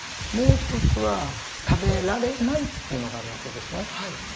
もう一つは食べられないっていうのがある訳ですね。